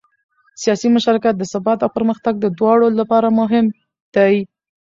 سیاسي مشارکت د ثبات او پرمختګ دواړو لپاره مهم دی